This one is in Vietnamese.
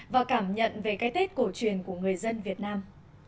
và cảm nhận về cái tết cổ truyền của người dân việt nam